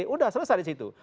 udah selesai disitu